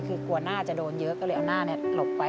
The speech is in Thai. คือกลัวหน้าจะโดนเยอะก็เลยเอาหน้าหลบไป